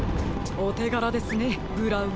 おてがらですねブラウン。